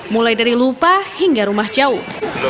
mulai dari lupa hingga rumah jauh